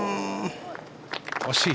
惜しい。